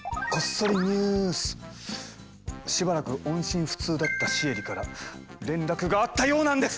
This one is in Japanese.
しばらく音信不通だったシエリから連絡があったようなんです！